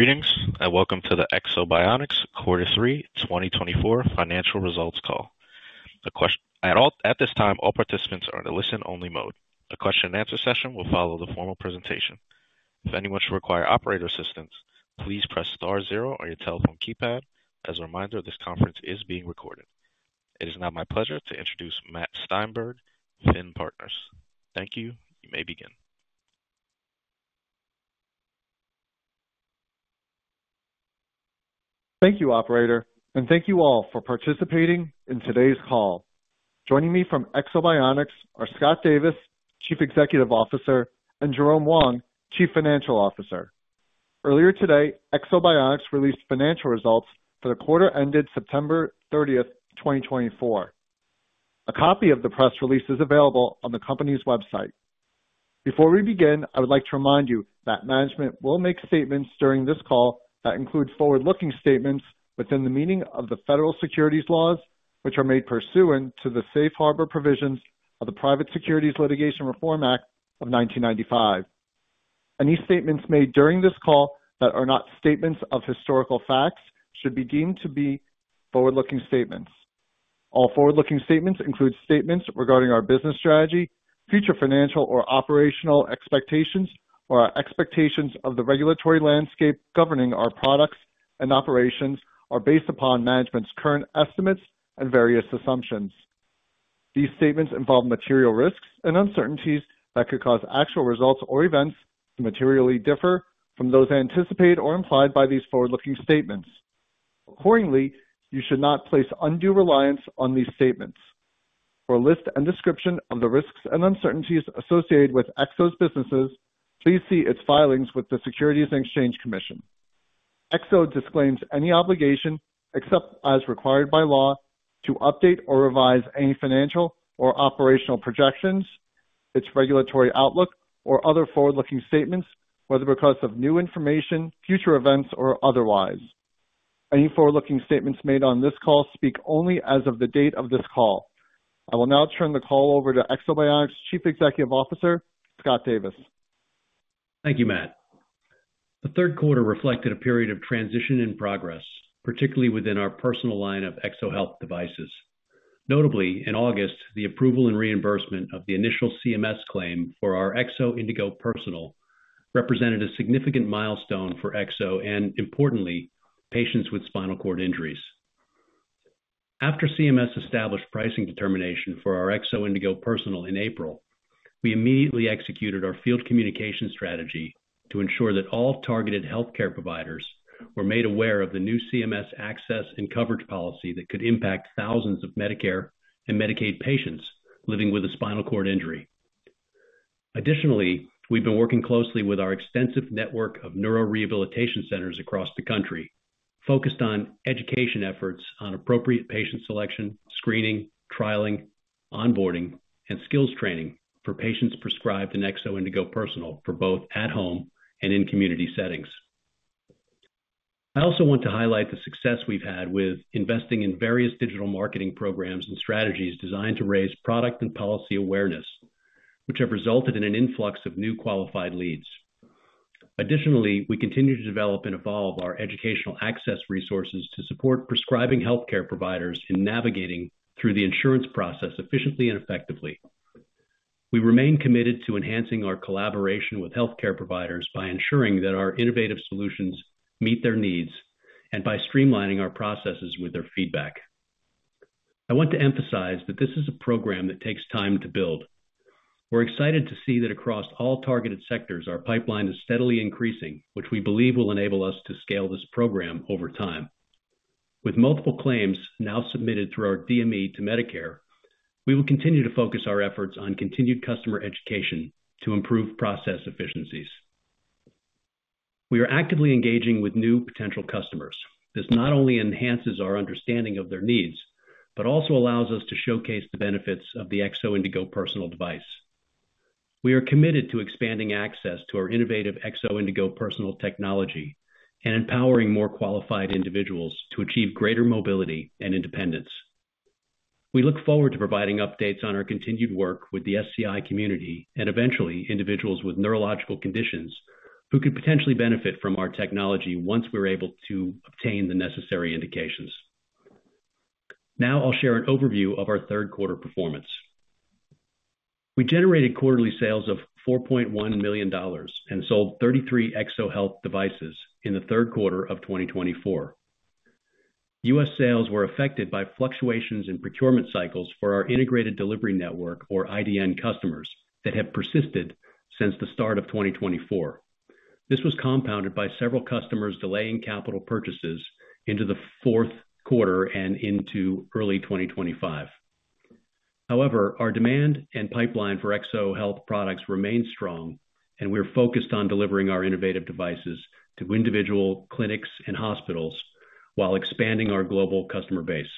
Greetings, and welcome to the Ekso Bionics Quarter Three 2024 Financial Results Call. At this time, all participants are in a listen-only mode. A question and answer session will follow the formal presentation. If anyone should require operator assistance, please press star zero on your telephone keypad. As a reminder, this conference is being recorded. It is now my pleasure to introduce Matt Steinberg, FINN Partners. Thank you. You may begin. Thank you, operator, and thank you all for participating in today's call. Joining me from Ekso Bionics are Scott Davis, Chief Executive Officer, and Jerome Wong, Chief Financial Officer. Earlier today, Ekso Bionics released financial results for the quarter ended September thirtieth, twenty twenty-four. A copy of the press release is available on the company's website. Before we begin, I would like to remind you that management will make statements during this call that include forward-looking statements within the meaning of the federal securities laws, which are made pursuant to the Safe Harbor provisions of the Private Securities Litigation Reform Act of 1995. Any statements made during this call that are not statements of historical facts should be deemed to be forward-looking statements. All forward-looking statements include statements regarding our business strategy, future financial or operational expectations, or our expectations of the regulatory landscape governing our products and operations are based upon management's current estimates and various assumptions. These statements involve material risks and uncertainties that could cause actual results or events to materially differ from those anticipated or implied by these forward-looking statements. Accordingly, you should not place undue reliance on these statements. For a list and description of the risks and uncertainties associated with Ekso's businesses, please see its filings with the Securities and Exchange Commission. Ekso disclaims any obligation, except as required by law, to update or revise any financial or operational projections, its regulatory outlook, or other forward-looking statements, whether because of new information, future events, or otherwise. Any forward-looking statements made on this call speak only as of the date of this call. I will now turn the call over to Ekso Bionics' Chief Executive Officer, Scott Davis. Thank you, Matt. The third quarter reflected a period of transition and progress, particularly within our personal line of Ekso Health devices. Notably, in August, the approval and reimbursement of the initial CMS claim for our Ekso Indego Personal represented a significant milestone for Ekso and importantly, patients with spinal cord injuries. After CMS established pricing determination for our Ekso Indego Personal in April, we immediately executed our field communication strategy to ensure that all targeted healthcare providers were made aware of the new CMS access and coverage policy that could impact thousands of Medicare and Medicaid patients living with a spinal cord injury. Additionally, we've been working closely with our extensive network of neurorehabilitation centers across the country, focused on education efforts on appropriate patient selection, screening, trialing, onboarding, and skills training for patients prescribed an Ekso Indego Personal for both at home and in community settings. I also want to highlight the success we've had with investing in various digital marketing programs and strategies designed to raise product and policy awareness, which have resulted in an influx of new qualified leads. Additionally, we continue to develop and evolve our educational access resources to support prescribing healthcare providers in navigating through the insurance process efficiently and effectively. We remain committed to enhancing our collaboration with healthcare providers by ensuring that our innovative solutions meet their needs and by streamlining our processes with their feedback. I want to emphasize that this is a program that takes time to build. We're excited to see that across all targeted sectors, our pipeline is steadily increasing, which we believe will enable us to scale this program over time. With multiple claims now submitted through our DME to Medicare, we will continue to focus our efforts on continued customer education to improve process efficiencies. We are actively engaging with new potential customers. This not only enhances our understanding of their needs, but also allows us to showcase the benefits of the Ekso Indego Personal device. We are committed to expanding access to our innovative Ekso Indego Personal technology and empowering more qualified individuals to achieve greater mobility and independence. We look forward to providing updates on our continued work with the SCI community and eventually individuals with neurological conditions who could potentially benefit from our technology once we're able to obtain the necessary indications. Now I'll share an overview of our third quarter performance. We generated quarterly sales of $4.1 million and sold 33 Ekso Health devices in the third quarter of 2024. U.S. sales were affected by fluctuations in procurement cycles for our integrated delivery network, or IDN customers, that have persisted since the start of twenty twenty-four. This was compounded by several customers delaying capital purchases into the fourth quarter and into early twenty twenty-five. However, our demand and pipeline for Ekso Health products remain strong, and we're focused on delivering our innovative devices to individual clinics and hospitals while expanding our global customer base.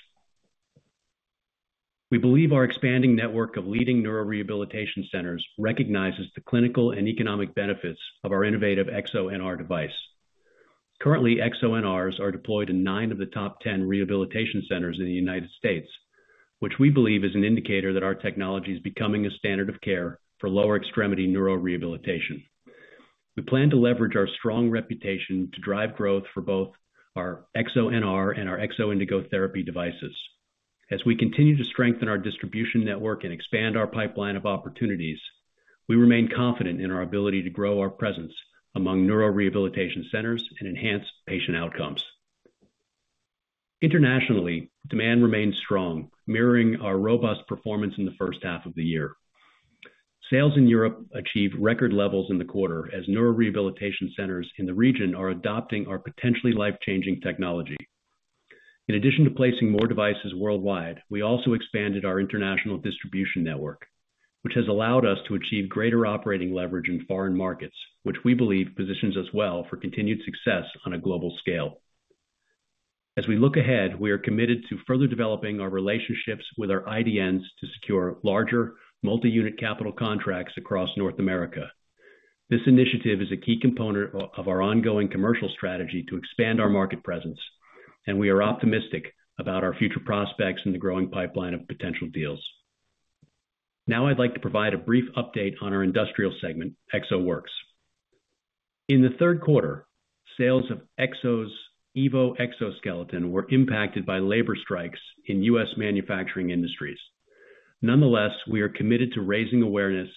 We believe our expanding network of leading neurorehabilitation centers recognizes the clinical and economic benefits of our innovative EksoNR device. Currently, EksoNRs are deployed in nine of the top 10 rehabilitation centers in the United States, which we believe is an indicator that our technology is becoming a standard of care for lower extremity neurorehabilitation. We plan to leverage our strong reputation to drive growth for both our EksoNR and our Ekso Indego Therapy devices. As we continue to strengthen our distribution network and expand our pipeline of opportunities, we remain confident in our ability to grow our presence among neurorehabilitation centers and enhance patient outcomes. Internationally, demand remains strong, mirroring our robust performance in the first half of the year. Sales in Europe achieved record levels in the quarter, as neurorehabilitation centers in the region are adopting our potentially life-changing technology. In addition to placing more devices worldwide, we also expanded our international distribution network, which has allowed us to achieve greater operating leverage in foreign markets, which we believe positions us well for continued success on a global scale. As we look ahead, we are committed to further developing our relationships with our IDNs to secure larger multi-unit capital contracts across North America. This initiative is a key component of our ongoing commercial strategy to expand our market presence, and we are optimistic about our future prospects in the growing pipeline of potential deals. Now, I'd like to provide a brief update on our industrial segment, EksoWorks. In the third quarter, sales of Ekso's EVO exoskeleton were impacted by labor strikes in U.S. manufacturing industries. Nonetheless, we are committed to raising awareness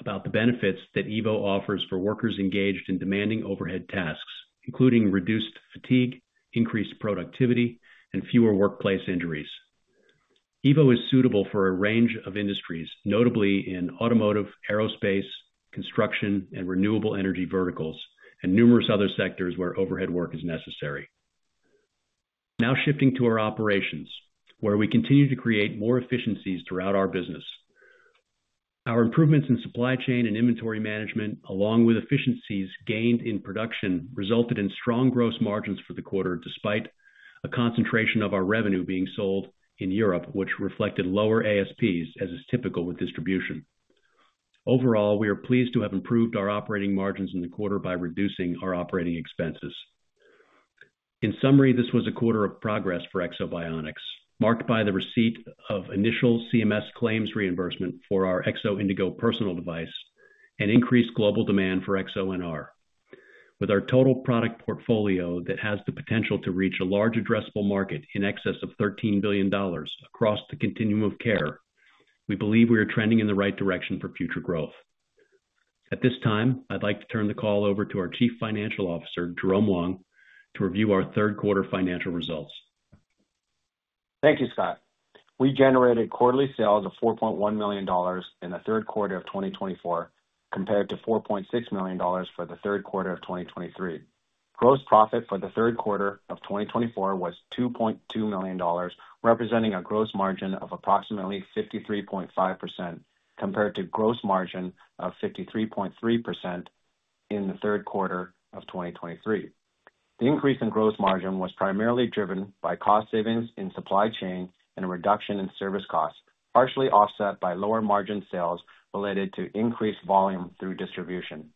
about the benefits that EVO offers for workers engaged in demanding overhead tasks, including reduced fatigue, increased productivity, and fewer workplace injuries. EVO is suitable for a range of industries, notably in automotive, aerospace, construction, and renewable energy verticals, and numerous other sectors where overhead work is necessary. Now shifting to our operations, where we continue to create more efficiencies throughout our business. Our improvements in supply chain and inventory management, along with efficiencies gained in production, resulted in strong gross margins for the quarter, despite a concentration of our revenue being sold in Europe, which reflected lower ASPs, as is typical with distribution. Overall, we are pleased to have improved our operating margins in the quarter by reducing our operating expenses. In summary, this was a quarter of progress for Ekso Bionics, marked by the receipt of initial CMS claims reimbursement for our Ekso Indego Personal and increased global demand for EksoNR. With our total product portfolio that has the potential to reach a large addressable market in excess of $13 billion across the continuum of care, we believe we are trending in the right direction for future growth. At this time, I'd like to turn the call over to our Chief Financial Officer, Jerome Wong, to review our third quarter financial results. Thank you, Scott. We generated quarterly sales of $4.1 million in the third quarter of 2024, compared to $4.6 million for the third quarter of 2023. Gross profit for the third quarter of 2024 was $2.2 million, representing a gross margin of approximately 53.5%, compared to gross margin of 53.3% in the third quarter of 2023. The increase in gross margin was primarily driven by cost savings in supply chain and a reduction in service costs, partially offset by lower margin sales related to increased volume through distribution.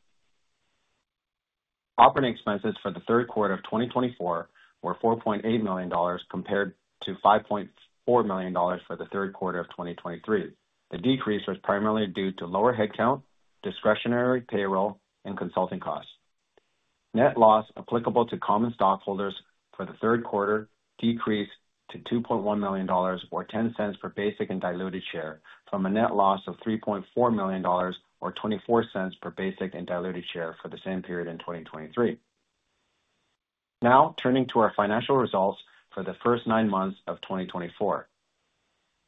Operating expenses for the third quarter of 2024 were $4.8 million, compared to $5.4 million for the third quarter of 2023. The decrease was primarily due to lower headcount, discretionary payroll, and consulting costs. Net loss applicable to common stockholders for the third quarter decreased to $2.1 million, or $0.10 per basic and diluted share, from a net loss of $3.4 million, or $0.24 per basic and diluted share, for the same period in 2023. Now, turning to our financial results for the first nine months of 2024.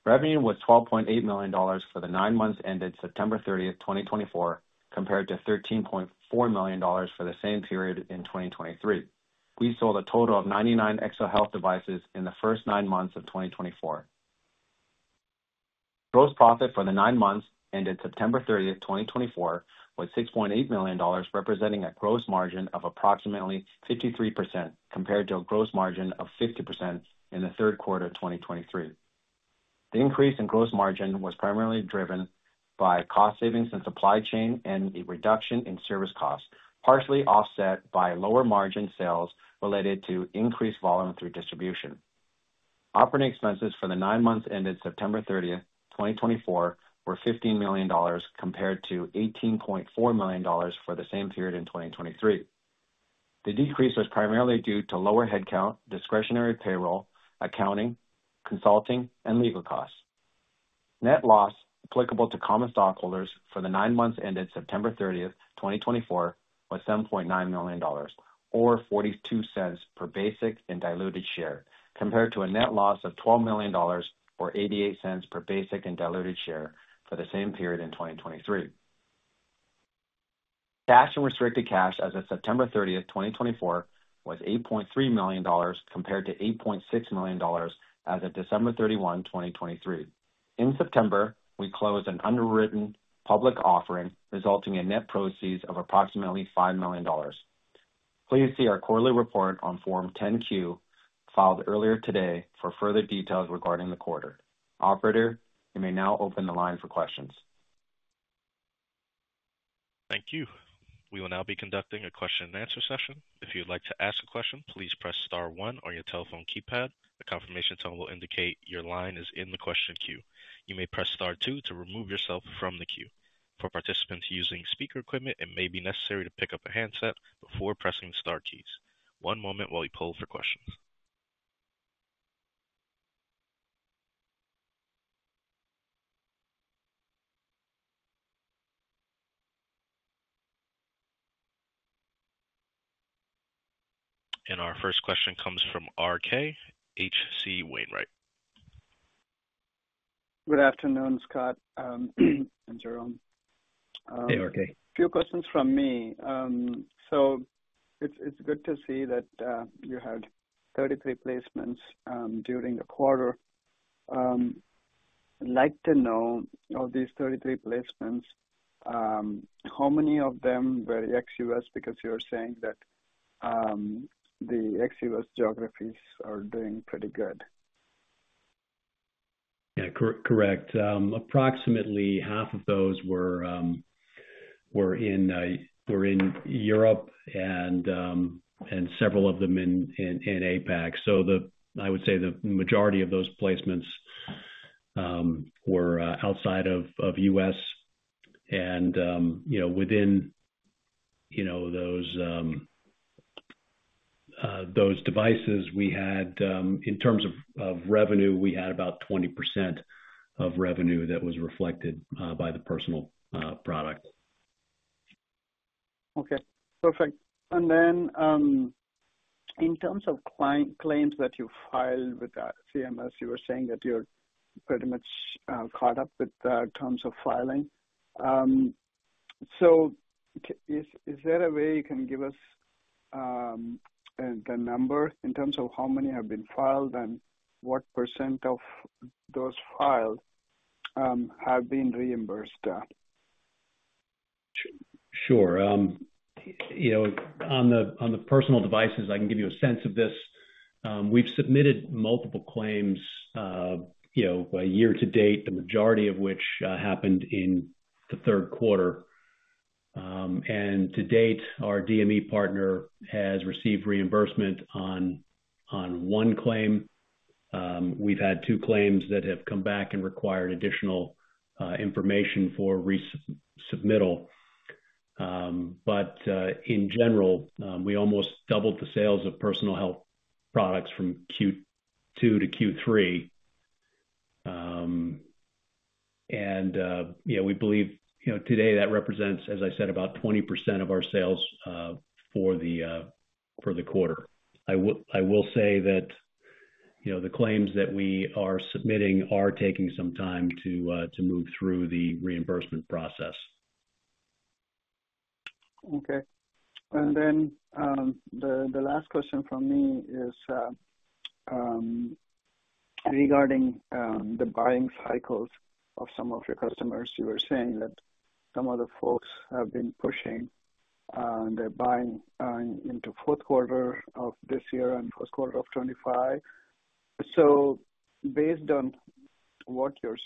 Revenue was $12.8 million for the nine months ended September thirtieth, 2024, compared to $13.4 million for the same period in 2023. We sold a total of 99 Ekso Health devices in the first nine months of 2024. Gross profit for the nine months ended September 30, 2024, was $6.8 million, representing a gross margin of approximately 53%, compared to a gross margin of 50% in the third quarter of 2023. The increase in gross margin was primarily driven by cost savings and supply chain and a reduction in service costs, partially offset by lower margin sales related to increased volume through distribution. Operating expenses for the nine months ended September 30, 2024, were $15 million, compared to $18.4 million for the same period in 2023. The decrease was primarily due to lower headcount, discretionary payroll, accounting, consulting, and legal costs. Net loss applicable to common stockholders for the nine months ended September 30th, 2024, was $7.9 million, or $0.42 per basic and diluted share, compared to a net loss of $12 million, or $0.88 per basic and diluted share, for the same period in 2023. Cash and restricted cash as of September 30th, 2024, was $8.3 million, compared to $8.6 million as of December 31st, 2023. In September, we closed an underwritten public offering, resulting in net proceeds of approximately $5 million. Please see our quarterly report on Form 10-Q, filed earlier today, for further details regarding the quarter. Operator, you may now open the line for questions. Thank you. We will now be conducting a question and answer session. If you'd like to ask a question, please press star one on your telephone keypad. A confirmation tone will indicate your line is in the question queue. You may press star two to remove yourself from the queue. For participants using speaker equipment, it may be necessary to pick up a handset before pressing the star keys. One moment while we poll for questions. And our first question comes from RK, H.C. Wainwright. Good afternoon, Scott, and Jerome. Hey, RK. Few questions from me. So it's good to see that you had 33 placements during the quarter. I'd like to know, of these 33 placements, how many of them were ex-US? Because you're saying that the ex-US geographies are doing pretty good. Yeah, correct. Approximately half of those were in Europe and several of them in APAC. So I would say the majority of those placements were outside of US. And, you know, within, you know, those devices we had, in terms of revenue, we had about 20% of revenue that was reflected by the personal product. Okay, perfect. And then, in terms of client claims that you filed with CMS, you were saying that you're pretty much caught up with terms of filing. So, is there a way you can give us the number in terms of how many have been filed and what % of those filed have been reimbursed at? Sure. You know, on the personal devices, I can give you a sense of this. We've submitted multiple claims, you know, year to date, the majority of which happened in the third quarter, and to date, our DME partner has received reimbursement on one claim. We've had two claims that have come back and required additional information for resubmittal, but in general, we almost doubled the sales of personal health products from Q2 to Q3, and you know, we believe, you know, today that represents, as I said, about 20% of our sales for the quarter. I will say that, you know, the claims that we are submitting are taking some time to move through the reimbursement process. Okay. And then, the last question from me is regarding the buying cycles of some of your customers. You were saying that some of the folks have been pushing, and they're buying into fourth quarter of this year and first quarter of 2025. So based on what you're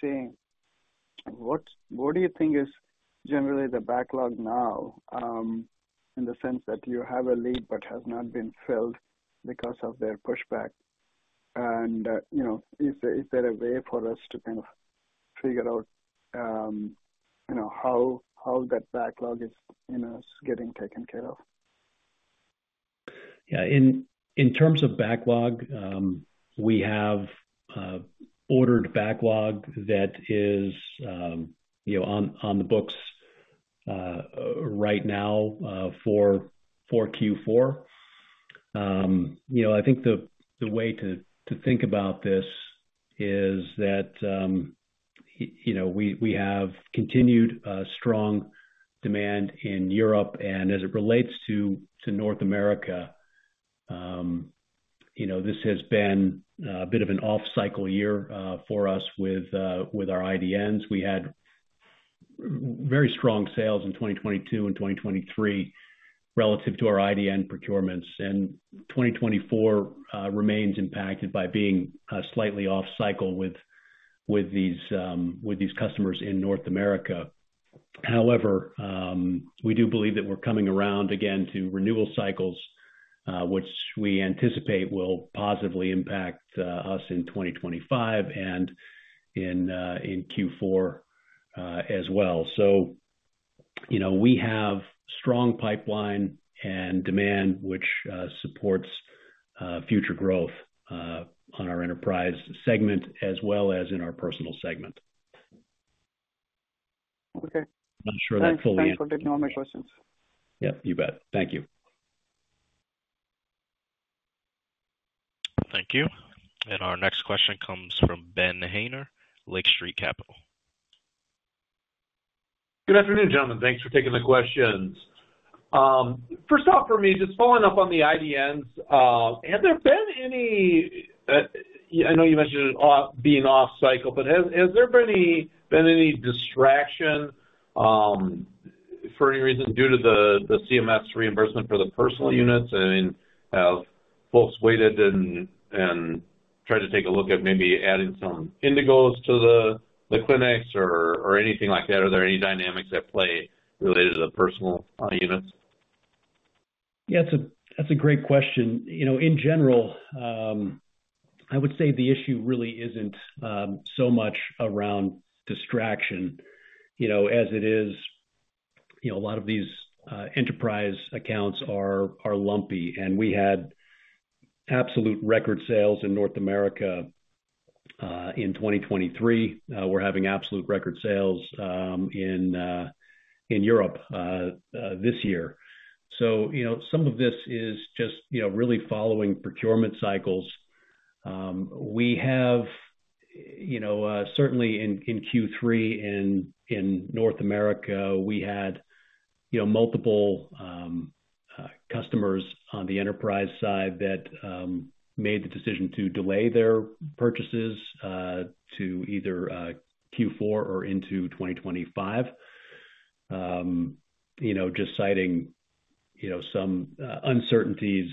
seeing, what do you think is generally the backlog now, in the sense that you have a lead but has not been filled because of their pushback? And, you know, is there a way for us to kind of figure out, you know, how that backlog is getting taken care of? Yeah. In terms of backlog, we have ordered backlog that is, you know, on the books right now for Q4. You know, I think the way to think about this is that, you know, we have continued strong demand in Europe and as it relates to North America, you know, this has been a bit of an off-cycle year for us with our IDNs. We had very strong sales in 2022 and 2023 relative to our IDN procurements, and 2024 remains impacted by being slightly off cycle with these customers in North America. However, we do believe that we're coming around again to renewal cycles, which we anticipate will positively impact us in 2025 and in Q4 as well. So, you know, we have strong pipeline and demand which supports future growth on our enterprise segment as well as in our personal segment. Okay. I'm not sure that's a full answer. Thanks for taking all my questions. Yep, you bet. Thank you. Thank you. Our next question comes from Ben Haynor, Lake Street Capital. Good afternoon, gentlemen. Thanks for taking the questions. First off, for me, just following up on the IDNs. Have there been any? I know you mentioned it off, being off cycle, but has there been any distraction for any reason due to the CMS reimbursement for the personal units? I mean, have folks waited and tried to take a look at maybe adding some Indegos to the clinics or anything like that? Are there any dynamics at play related to the personal units? Yeah, that's a great question. You know, in general, I would say the issue really isn't so much around distraction, you know, as it is, you know, a lot of these enterprise accounts are lumpy, and we had absolute record sales in North America in 2023. We're having absolute record sales in Europe this year. So, you know, some of this is just, you know, really following procurement cycles. We have, you know, certainly in Q3 in North America, we had, you know, multiple customers on the enterprise side that made the decision to delay their purchases to either Q4 or into 2025. You know, just citing, you know, some uncertainties,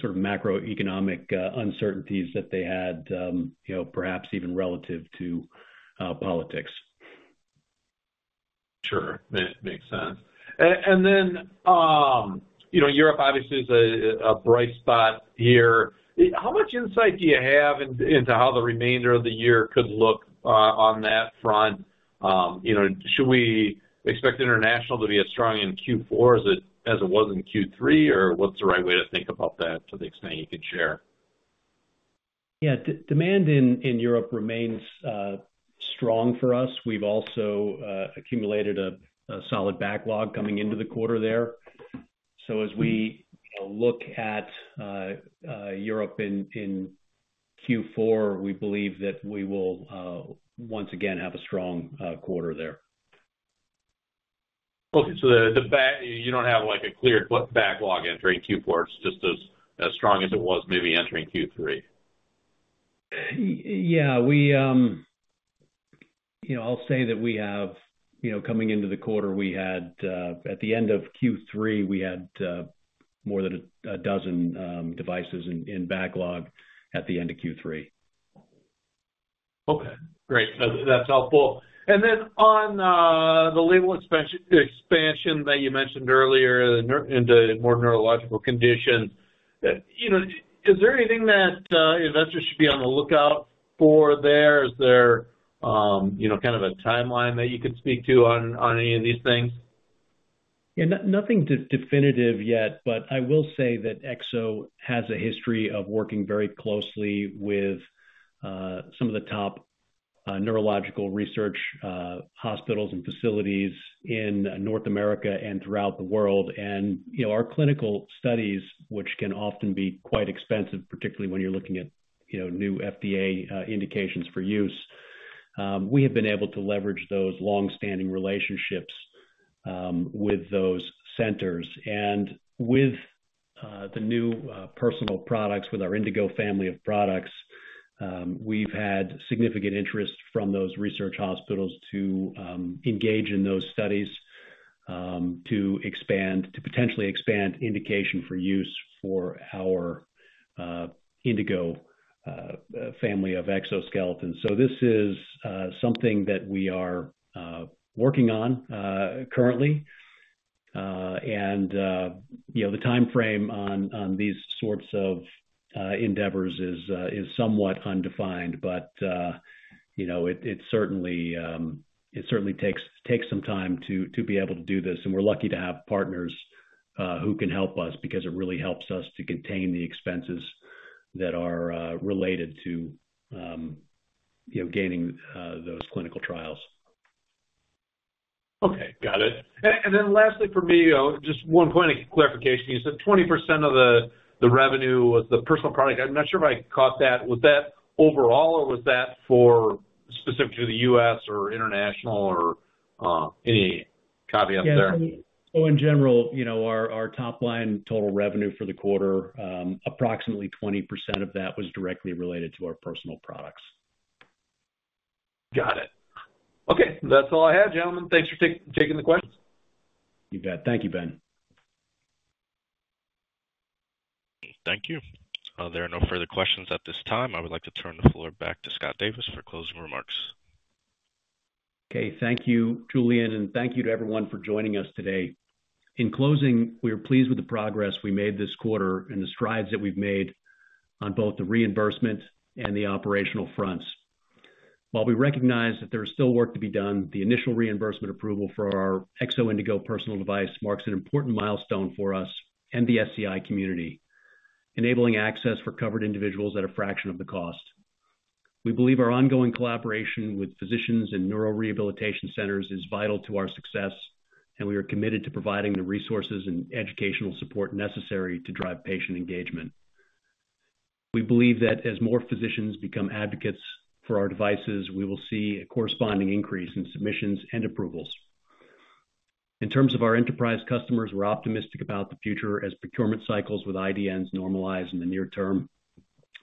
sort of macroeconomic uncertainties that they had, you know, perhaps even relative to politics. Sure. That makes sense. And then, you know, Europe obviously is a bright spot here. How much insight do you have into how the remainder of the year could look, on that front? You know, should we expect international to be as strong in Q4 as it was in Q3, or what's the right way to think about that, to the extent you could share? Yeah. Demand in Europe remains strong for us. We've also accumulated a solid backlog coming into the quarter there. So as we look at Europe in Q4, we believe that we will once again have a strong quarter there. Okay, so you don't have, like, a clear backlog entering Q4. It's just as strong as it was maybe entering Q3. Yeah, we, you know, I'll say that we have, you know, coming into the quarter, we had at the end of Q3, we had more than a dozen devices in backlog at the end of Q3. Okay, great. That's helpful. And then on the label expansion that you mentioned earlier, into more neurological conditions, you know, is there anything that investors should be on the lookout for there? Is there, you know, kind of a timeline that you could speak to on any of these things? Yeah, nothing definitive yet, but I will say that Ekso has a history of working very closely with some of the top neurological research hospitals and facilities in North America and throughout the world. And, you know, our clinical studies, which can often be quite expensive, particularly when you're looking at, you know, new FDA indications for use, we have been able to leverage those long-standing relationships with those centers. And with the new personal products, with our Indego family of products, we've had significant interest from those research hospitals to engage in those studies, to potentially expand indication for use for our Indego family of exoskeletons. So this is something that we are working on currently. You know, the timeframe on these sorts of endeavors is somewhat undefined, but you know, it certainly takes some time to be able to do this. We're lucky to have partners who can help us, because it really helps us to contain the expenses that are related to you know, gaining those clinical trials. Okay, got it. And then lastly, for me, just one point of clarification. You said 20% of the revenue was the personal product. I'm not sure if I caught that. Was that overall, or was that for specifically the U.S. or international or any carve-out there? Yeah, so in general, you know, our top line total revenue for the quarter, approximately 20% of that was directly related to our personal products. Got it. Okay, that's all I had, gentlemen. Thanks for taking the questions. You bet. Thank you, Ben. Thank you. There are no further questions at this time. I would like to turn the floor back to Scott Davis for closing remarks. Okay. Thank you, Julian, and thank you to everyone for joining us today. In closing, we are pleased with the progress we made this quarter and the strides that we've made on both the reimbursement and the operational fronts. While we recognize that there is still work to be done, the initial reimbursement approval for our Ekso Indego Personal device marks an important milestone for us and the SCI community, enabling access for covered individuals at a fraction of the cost. We believe our ongoing collaboration with physicians and neurorehabilitation centers is vital to our success, and we are committed to providing the resources and educational support necessary to drive patient engagement. We believe that as more physicians become advocates for our devices, we will see a corresponding increase in submissions and approvals. In terms of our enterprise customers, we're optimistic about the future as procurement cycles with IDNs normalize in the near term.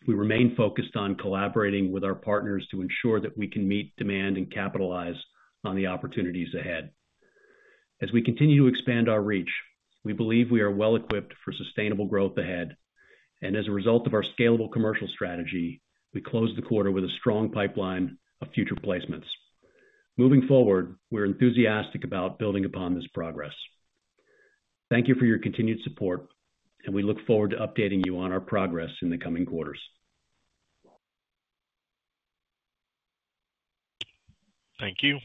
We remain focused on collaborating with our partners to ensure that we can meet demand and capitalize on the opportunities ahead. As we continue to expand our reach, we believe we are well equipped for sustainable growth ahead, and as a result of our scalable commercial strategy, we closed the quarter with a strong pipeline of future placements. Moving forward, we're enthusiastic about building upon this progress. Thank you for your continued support, and we look forward to updating you on our progress in the coming quarters. Thank you.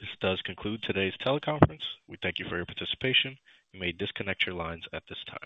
This does conclude today's teleconference. We thank you for your participation. You may disconnect your lines at this time.